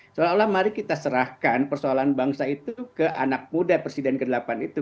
seolah olah mari kita serahkan persoalan bangsa itu ke anak muda presiden ke delapan itu